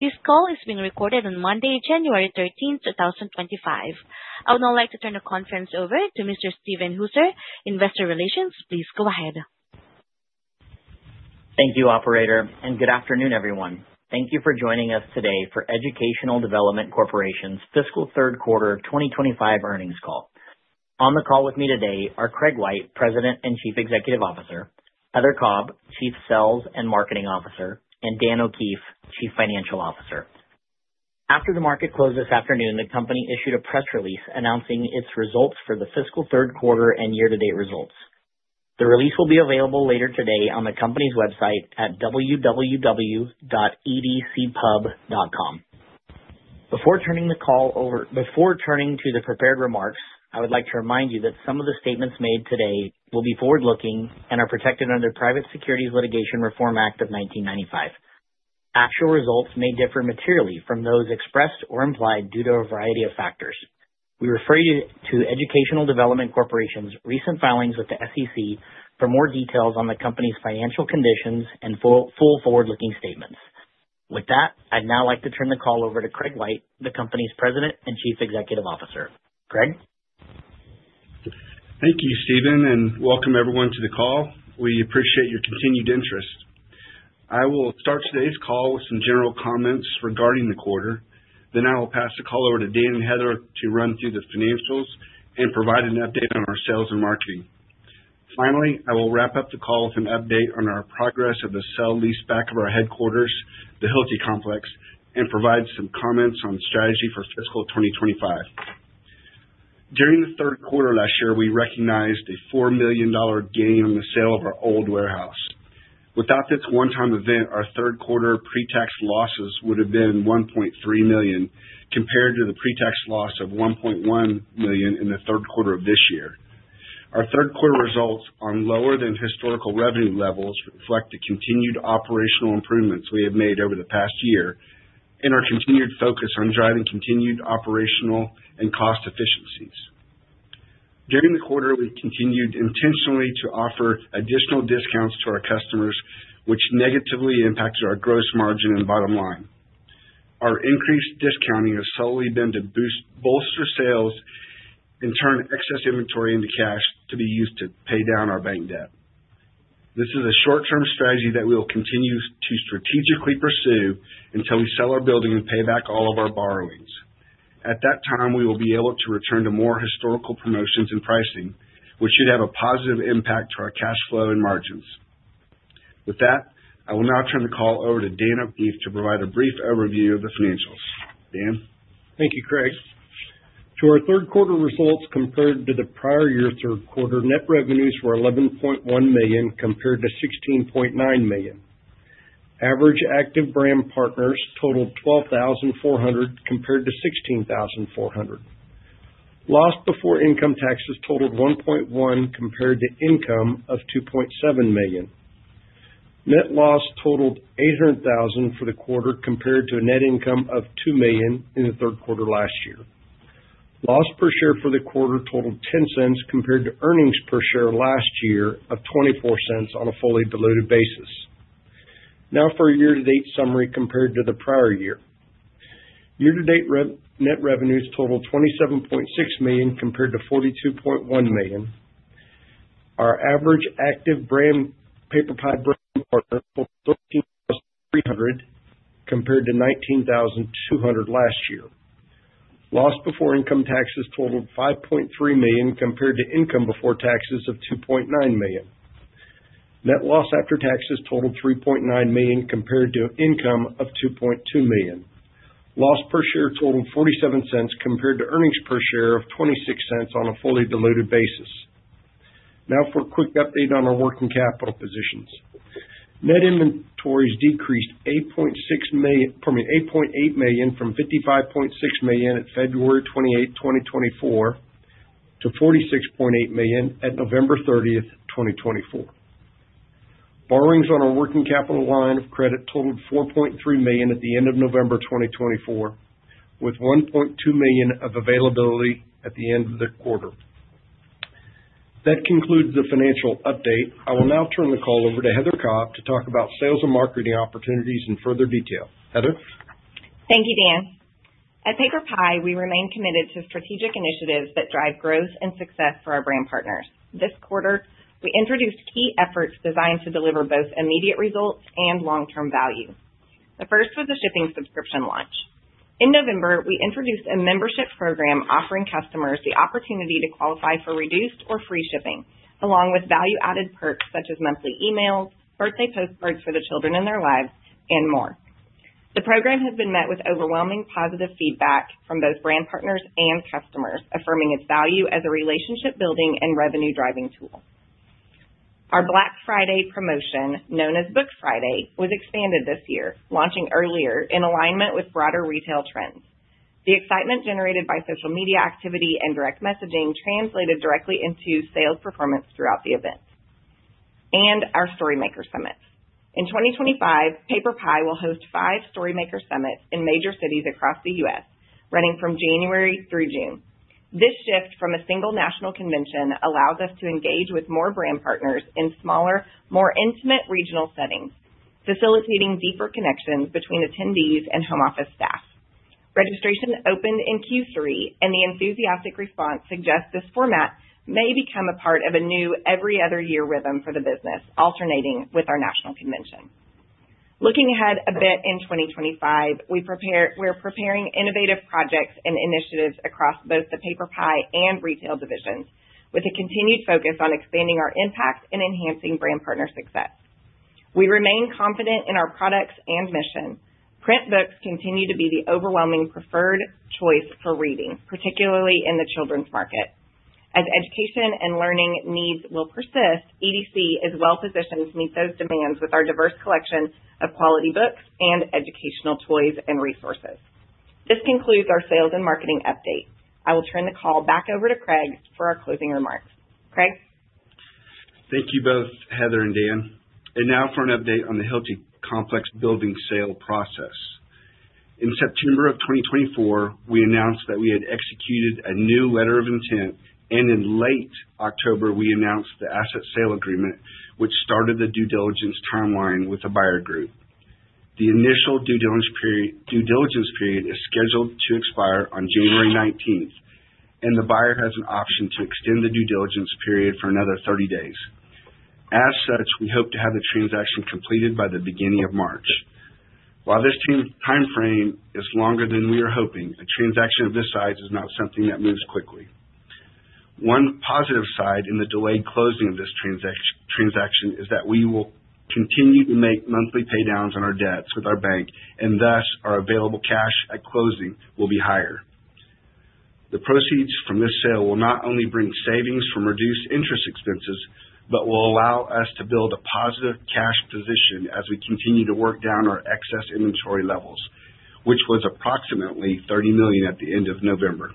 This call is being recorded on Monday, January 13, 2025. I would now like to turn the conference over to Mr. Steven Hooser, Investor Relations. Please go ahead. Thank you, Operator, and good afternoon, everyone. Thank you for joining us today for Educational Development Corporation's Fiscal Third Quarter 2025 earnings call. On the call with me today are Craig White, President and Chief Executive Officer, Heather Cobb, Chief Sales and Marketing Officer, and Dan O'Keefe, Chief Financial Officer. After the market closed this afternoon, the company issued a press release announcing its results for the fiscal third quarter and year-to-date results. The release will be available later today on the company's website at www.edcpub.com. Before turning the call over, before turning to the prepared remarks, I would like to remind you that some of the statements made today will be forward-looking and are protected under the Private Securities Litigation Reform Act of 1995. Actual results may differ materially from those expressed or implied due to a variety of factors. We refer you to Educational Development Corporation's recent filings with the SEC for more details on the company's financial conditions and full forward-looking statements. With that, I'd now like to turn the call over to Craig White, the company's President and Chief Executive Officer. Craig? Thank you, Steven, and welcome everyone to the call. We appreciate your continued interest. I will start today's call with some general comments regarding the quarter. Then I will pass the call over to Dan and Heather to run through the financials and provide an update on our sales and marketing. Finally, I will wrap up the call with an update on our progress of the sale-leaseback of our headquarters, the Hilti Complex, and provide some comments on strategy for fiscal 2025. During the third quarter last year, we recognized a $4 million gain on the sale of our old warehouse. Without this one-time event, our third quarter pre-tax losses would have been $1.3 million compared to the pre-tax loss of $1.1 million in the third quarter of this year. Our third quarter results on lower than historical revenue levels reflect the continued operational improvements we have made over the past year and our continued focus on driving continued operational and cost efficiencies. During the quarter, we continued intentionally to offer additional discounts to our customers, which negatively impacted our gross margin and bottom line. Our increased discounting has solely been to boost sales and turn excess inventory into cash to be used to pay down our bank debt. This is a short-term strategy that we will continue to strategically pursue until we sell our building and pay back all of our borrowings. At that time, we will be able to return to more historical promotions and pricing, which should have a positive impact on our cash flow and margins. With that, I will now turn the call over to Dan O'Keefe to provide a brief overview of the financials. Dan? Thank you, Craig. To our third quarter results compared to the prior year third quarter, net revenues were $11.1 million compared to $16.9 million. Average active brand partners totaled 12,400 compared to 16,400. Loss before income taxes totaled $1.1 million compared to income of $2.7 million. Net loss totaled $800,000 for the quarter compared to a net income of $2 million in the third quarter last year. Loss per share for the quarter totaled $0.10 compared to earnings per share last year of $0.24 on a fully diluted basis. Now for a year-to-date summary compared to the prior year. Year-to-date net revenues totaled $27.6 million compared to $42.1 million. Our average active brand PaperPie brand partner totaled 13,300 compared to 19,200 last year. Loss before income taxes totaled $5.3 million compared to income before taxes of $2.9 million. Net loss after taxes totaled $3.9 million compared to income of $2.2 million. Loss per share totaled $0.47 compared to earnings per share of $0.26 on a fully diluted basis. Now for a quick update on our working capital positions. Net inventories decreased $8.8 million from $55.6 million at February 28, 2024, to $46.8 million at November 30, 2024. Borrowings on our working capital line of credit totaled $4.3 million at the end of November 2024, with $1.2 million of availability at the end of the quarter. That concludes the financial update. I will now turn the call over to Heather Cobb to talk about sales and marketing opportunities in further detail. Heather? Thank you, Dan. At PaperPie, we remain committed to strategic initiatives that drive growth and success for our brand partners. This quarter, we introduced key efforts designed to deliver both immediate results and long-term value. The first was the shipping subscription launch. In November, we introduced a membership program offering customers the opportunity to qualify for reduced or free shipping, along with value-added perks such as monthly emails, birthday postcards for the children in their lives, and more. The program has been met with overwhelming positive feedback from both brand partners and customers, affirming its value as a relationship-building and revenue-driving tool. Our Black Friday promotion, known as Book Friday, was expanded this year, launching earlier in alignment with broader retail trends. The excitement generated by social media activity and direct messaging translated directly into sales performance throughout the event, and our StoryMaker Summits. In 2025, PaperPie will host five StoryMaker Summits in major cities across the U.S., running from January through June. This shift from a single national convention allows us to engage with more brand partners in smaller, more intimate regional settings, facilitating deeper connections between attendees and home office staff. Registration opened in Q3, and the enthusiastic response suggests this format may become a part of a new every-other-year rhythm for the business, alternating with our national convention. Looking ahead a bit in 2025, we're preparing innovative projects and initiatives across both the PaperPie and retail divisions, with a continued focus on expanding our impact and enhancing brand partner success. We remain confident in our products and mission. Print books continue to be the overwhelming preferred choice for reading, particularly in the children's market. As education and learning needs will persist, EDC is well-positioned to meet those demands with our diverse collection of quality books and educational toys and resources. This concludes our sales and marketing update. I will turn the call back over to Craig for our closing remarks. Craig? Thank you both, Heather and Dan, and now for an update on the Hilti Complex building sale process. In September of 2024, we announced that we had executed a new letter of intent, and in late October, we announced the asset sale agreement, which started the due diligence timeline with the buyer group. The initial due diligence period is scheduled to expire on January 19, and the buyer has an option to extend the due diligence period for another 30 days. As such, we hope to have the transaction completed by the beginning of March. While this timeframe is longer than we are hoping, a transaction of this size is not something that moves quickly. One positive side in the delayed closing of this transaction is that we will continue to make monthly paydowns on our debts with our bank, and thus our available cash at closing will be higher. The proceeds from this sale will not only bring savings from reduced interest expenses, but will allow us to build a positive cash position as we continue to work down our excess inventory levels, which was approximately $30 million at the end of November.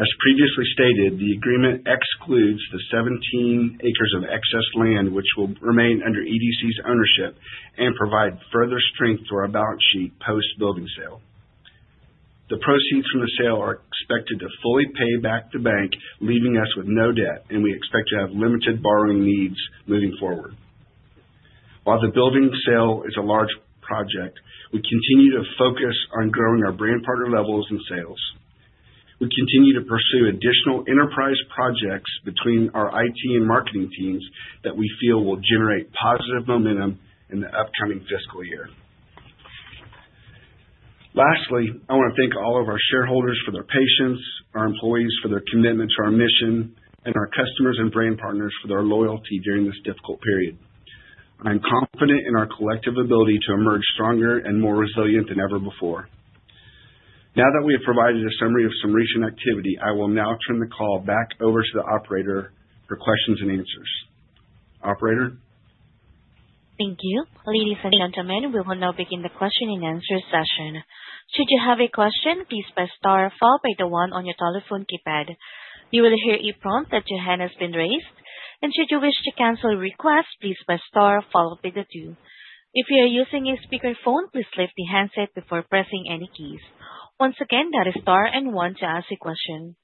As previously stated, the agreement excludes the 17 acres of excess land, which will remain under EDC's ownership and provide further strength to our balance sheet post-building sale. The proceeds from the sale are expected to fully pay back the bank, leaving us with no debt, and we expect to have limited borrowing needs moving forward. While the building sale is a large project, we continue to focus on growing our brand partner levels and sales. We continue to pursue additional enterprise projects between our IT and marketing teams that we feel will generate positive momentum in the upcoming fiscal year. Lastly, I want to thank all of our shareholders for their patience, our employees for their commitment to our mission, and our customers and brand partners for their loyalty during this difficult period. I'm confident in our collective ability to emerge stronger and more resilient than ever before. Now that we have provided a summary of some recent activity, I will now turn the call back over to the Operator for questions and answers. Operator? Thank you. Ladies and gentlemen, we will now begin the question and answer session. Should you have a question, please press star followed by the one on your telephone keypad. You will hear a prompt that your hand has been raised, and should you wish to cancel a request, please press star followed by the two. If you are using a speakerphone, please lift the handset before pressing any keys. Once again, that is star and one to ask a question.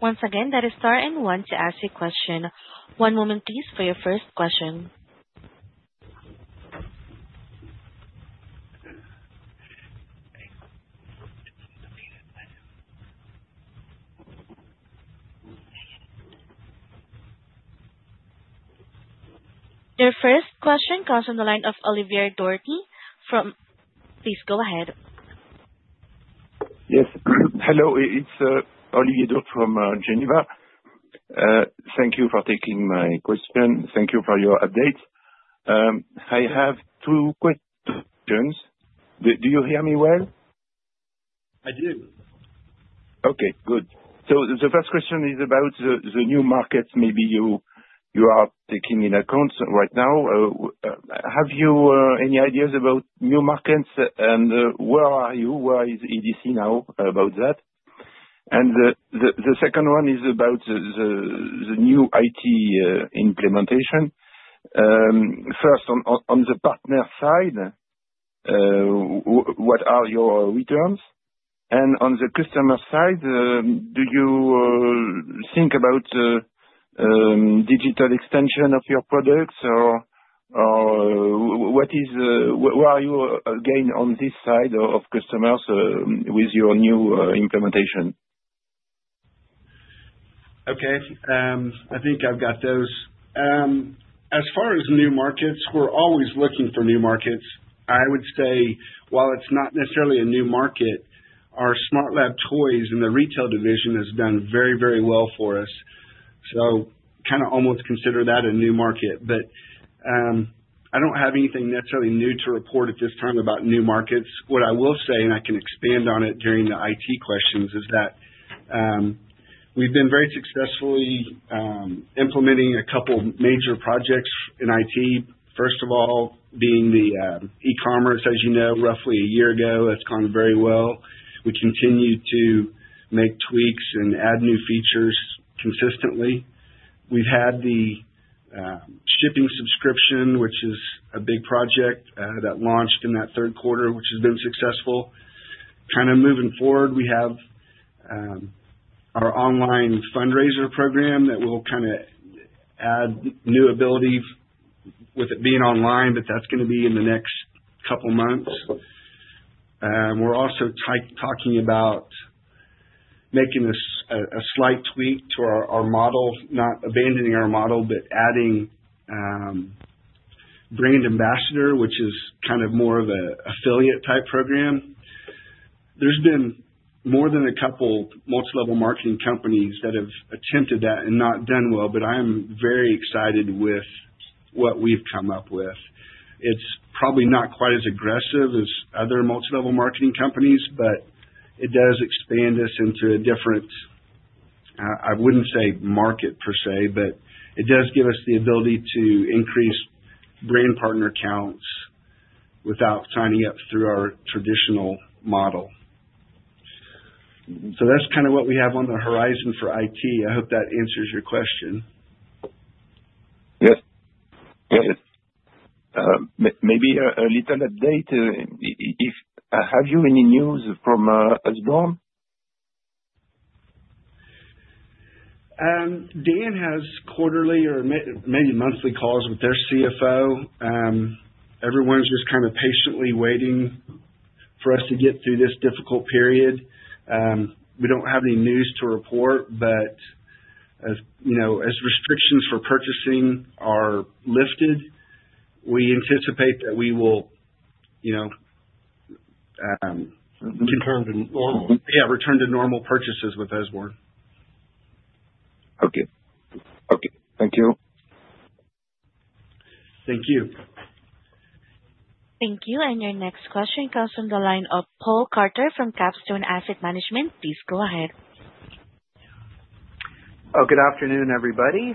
One moment, please, for your first question. Your first question comes from the line of Olivier Dotti from, please go ahead. Yes. Hello. It's Olivier Dotti from Geneva. Thank you for taking my question. Thank you for your update. I have two questions. Do you hear me well? I do. Okay. Good. So the first question is about the new markets maybe you are taking into account right now. Have you any ideas about new markets? And where are you? Where is EDC now about that? And the second one is about the new IT implementation. First, on the partner side, what are your returns? And on the customer side, do you think about digital extension of your products? Or where are you again on this side of customers with your new implementation? Okay. I think I've got those. As far as new markets, we're always looking for new markets. I would say, while it's not necessarily a new market, our SmartLab Toys in the retail division have done very, very well for us. So kind of almost consider that a new market. But I don't have anything necessarily new to report at this time about new markets. What I will say, and I can expand on it during the IT questions, is that we've been very successfully implementing a couple of major projects in IT. First of all, being the e-commerce, as you know, roughly a year ago, has gone very well. We continue to make tweaks and add new features consistently. We've had the Shipping Subscription, which is a big project that launched in that third quarter, which has been successful. Kind of moving forward, we have our online fundraiser program that will kind of add new ability with it being online, but that's going to be in the next couple of months. We're also talking about making a slight tweak to our model, not abandoning our model, but adding Brand Ambassador, which is kind of more of an affiliate-type program. There's been more than a couple of multi-level marketing companies that have attempted that and not done well, but I'm very excited with what we've come up with. It's probably not quite as aggressive as other multi-level marketing companies, but it does expand us into a different, I wouldn't say market per se, but it does give us the ability to increase Brand Partner counts without signing up through our traditional model. So that's kind of what we have on the horizon for it. I hope that answers your question. Yes. Yes. Maybe a little update. Have you any news from Usborne? Dan has quarterly or maybe monthly calls with their CFO. Everyone's just kind of patiently waiting for us to get through this difficult period. We don't have any news to report, but as restrictions for purchasing are lifted, we anticipate that we will. Return to normal. Yeah, return to normal purchases with Usborne. Okay. Okay. Thank you. Thank you. Thank you. And your next question comes from the line of Paul Carter from Capstone Asset Management. Please go ahead. Oh, good afternoon, everybody.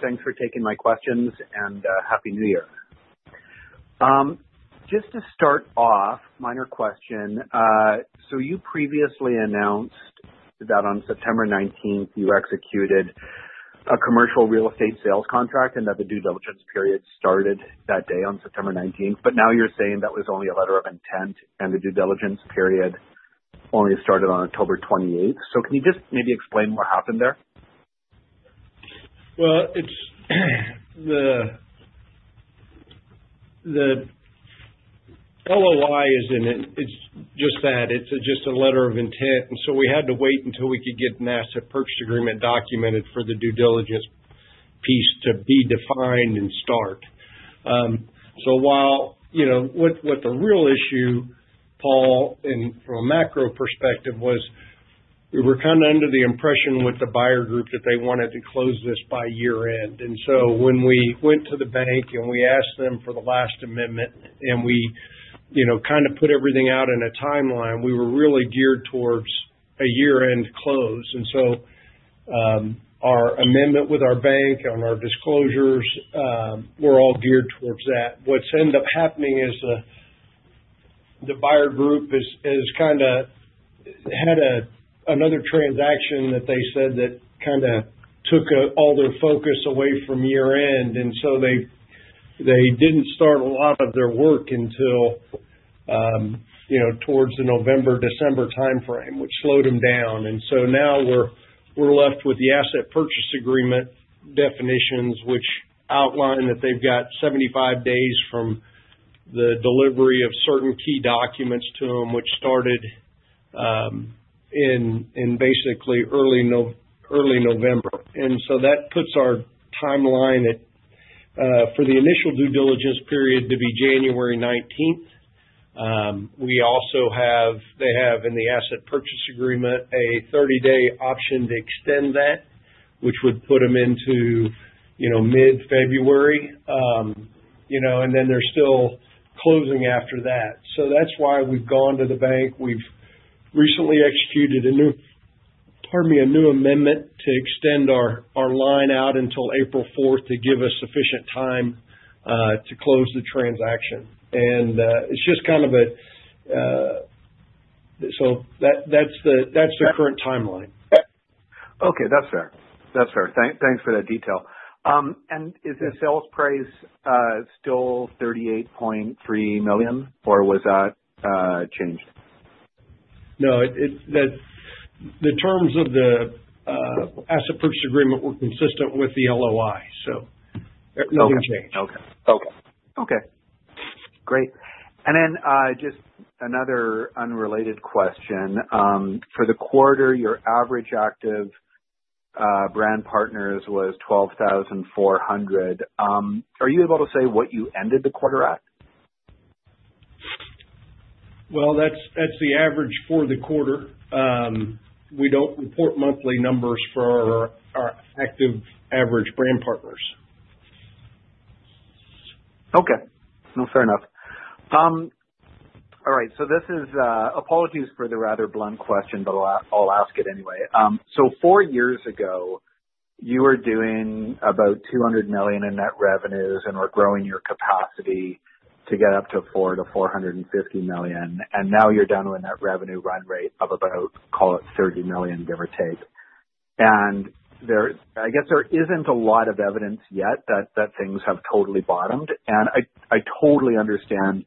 Thanks for taking my questions and happy New Year. Just to start off, minor question. So you previously announced that on September 19, you executed a commercial real estate sales contract and that the due diligence period started that day on September 19. But now you're saying that was only a letter of intent and the due diligence period only started on October 28. So can you just maybe explain what happened there? Well, the LOI is just that. It's just a letter of intent. And so we had to wait until we could get an asset purchase agreement documented for the due diligence piece to be defined and start. So what the real issue, Paul, and from a macro perspective was we were kind of under the impression with the buyer group that they wanted to close this by year-end. And so when we went to the bank and we asked them for the last amendment and we kind of put everything out in a timeline, we were really geared towards a year-end close. And so our amendment with our bank and our disclosures were all geared towards that. What's ended up happening is the buyer group has kind of had another transaction that they said that kind of took all their focus away from year-end. And so they didn't start a lot of their work until towards the November, December timeframe, which slowed them down. And so now we're left with the asset purchase agreement definitions, which outline that they've got 75 days from the delivery of certain key documents to them, which started in basically early November. And so that puts our timeline for the initial due diligence period to be January 19. We also have—they have in the asset purchase agreement a 30-day option to extend that, which would put them into mid-February. And then they're still closing after that. So that's why we've gone to the bank. We've recently executed a new, pardon me, a new amendment to extend our line out until April 4 to give us sufficient time to close the transaction. And it's just kind of a—so that's the current timeline. Okay. That's fair. That's fair. Thanks for that detail. And is the sales price still $38.3 million, or was that changed? No. The terms of the asset purchase agreement were consistent with the LOI, so nothing changed. Okay. Great. And then just another unrelated question. For the quarter, your average active brand partners was 12,400. Are you able to say what you ended the quarter at? That's the average for the quarter. We don't report monthly numbers for our active average brand partners. Okay. No, fair enough. All right. So this is, apologies for the rather blunt question, but I'll ask it anyway. So four years ago, you were doing about $200 million in net revenues, and we're growing your capacity to get up to $400-$450 million. And now you're down to a net revenue run rate of about, call it, $30 million, give or take. And I guess there isn't a lot of evidence yet that things have totally bottomed. And I totally understand,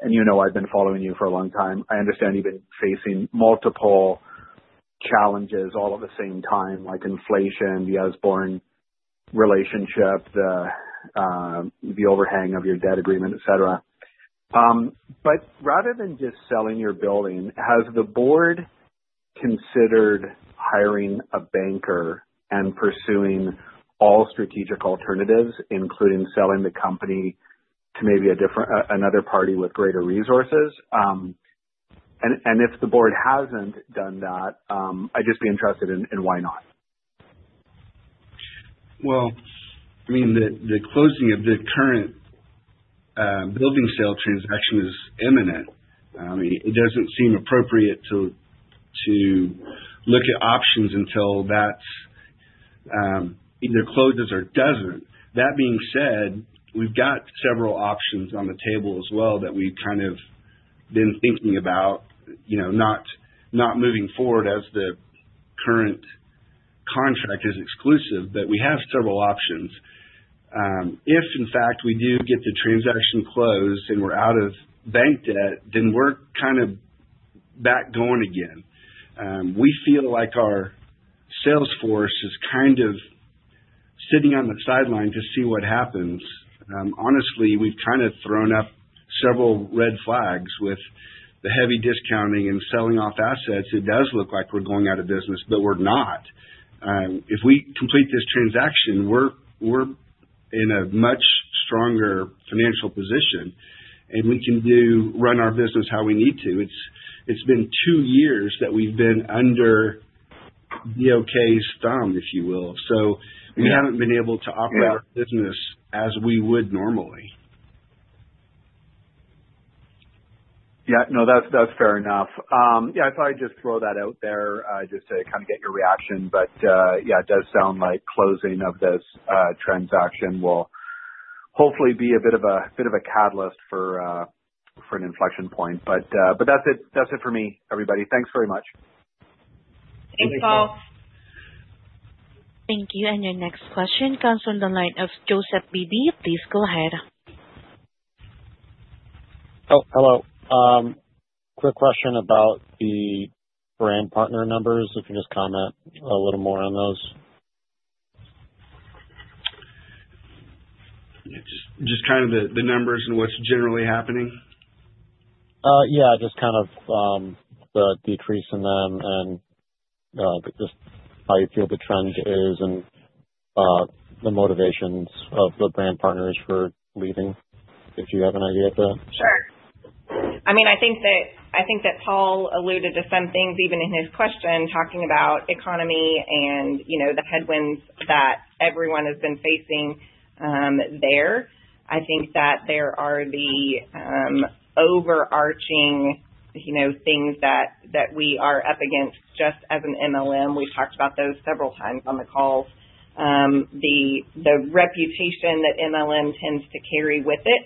and you know I've been following you for a long time. I understand you've been facing multiple challenges all at the same time, like inflation, the Usborne relationship, the overhang of your debt agreement, etc. But rather than just selling your building, has the board considered hiring a banker and pursuing all strategic alternatives, including selling the company to maybe another party with greater resources? If the board hasn't done that, I'd just be interested in why not? I mean, the closing of the current building sale transaction is imminent. I mean, it doesn't seem appropriate to look at options until that either closes or doesn't. That being said, we've got several options on the table as well that we've kind of been thinking about not moving forward as the current contract is exclusive, but we have several options. If, in fact, we do get the transaction closed and we're out of bank debt, then we're kind of back going again. We feel like our sales force is kind of sitting on the sideline to see what happens. Honestly, we've kind of thrown up several red flags with the heavy discounting and selling off assets. It does look like we're going out of business, but we're not. If we complete this transaction, we're in a much stronger financial position, and we can run our business how we need to. It's been two years that we've been under BOK's thumb, if you will. So we haven't been able to operate our business as we would normally. Yeah. No, that's fair enough. Yeah. I thought I'd just throw that out there just to kind of get your reaction. But yeah, it does sound like closing of this transaction will hopefully be a bit of a catalyst for an inflection point. But that's it for me, everybody. Thanks very much. Thank you, Paul. Thank you. And your next question comes from the line of Joseph Beebe. Please go ahead. Oh, hello. Quick question about the brand partner numbers. If you can just comment a little more on those. Just kind of the numbers and what's generally happening? Yeah. Just kind of the decrease in them and just how you feel the trend is and the motivations of the brand partners for leaving, if you have an idea of that? Sure. I mean, I think that Paul alluded to some things even in his question talking about economy and the headwinds that everyone has been facing there. I think that there are the overarching things that we are up against just as an MLM. We've talked about those several times on the calls. The reputation that MLM tends to carry with it.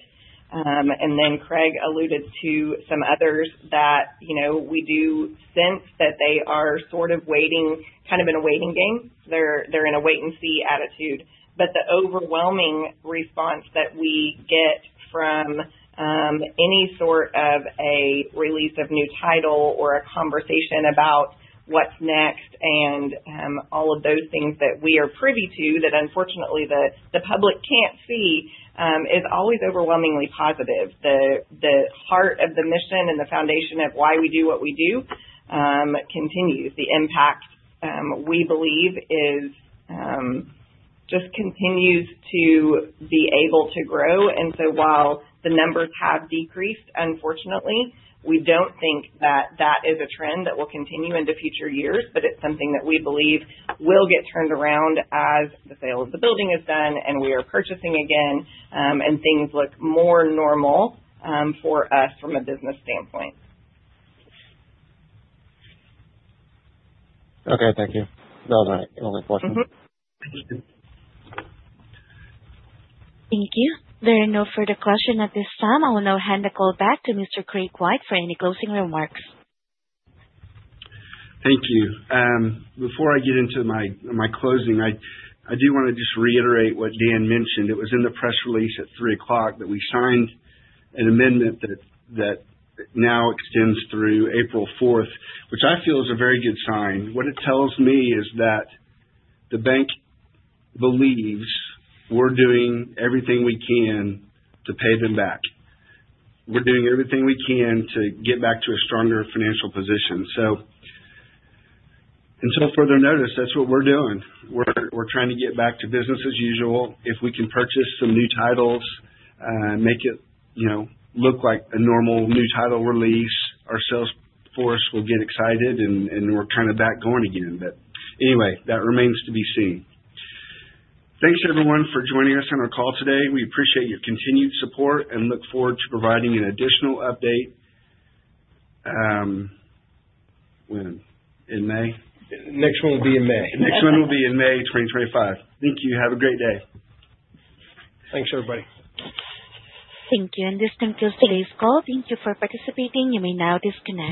And then Craig alluded to some others that we do sense that they are sort of waiting, kind of in a waiting game. They're in a wait-and-see attitude. But the overwhelming response that we get from any sort of a release of new title or a conversation about what's next and all of those things that we are privy to that unfortunately the public can't see is always overwhelmingly positive. The heart of the mission and the foundation of why we do what we do continues. The impact, we believe, just continues to be able to grow, and so while the numbers have decreased, unfortunately, we don't think that that is a trend that will continue into future years, but it's something that we believe will get turned around as the sale of the building is done and we are purchasing again and things look more normal for us from a business standpoint. Okay. Thank you. That was my only question. Thank you. There are no further questions at this time. I will now hand the call back to Mr. Craig White for any closing remarks. Thank you. Before I get into my closing, I do want to just reiterate what Dan mentioned. It was in the press release at 3:00 P.M. that we signed an amendment that now extends through April 4, which I feel is a very good sign. What it tells me is that the bank believes we're doing everything we can to pay them back. We're doing everything we can to get back to a stronger financial position, so until further notice, that's what we're doing. We're trying to get back to business as usual. If we can purchase some new titles, make it look like a normal new title release, our sales force will get excited, and we're kind of back going again, but anyway, that remains to be seen. Thanks, everyone, for joining us on our call today. We appreciate your continued support and look forward to providing an additional update in May. Next one will be in May. Next one will be in May 2025. Thank you. Have a great day. Thanks, everybody. Thank you. And this concludes today's call. Thank you for participating. You may now disconnect.